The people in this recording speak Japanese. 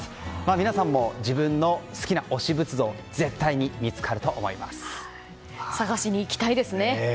皆さんも自分の推し仏像探しに行きたいですね。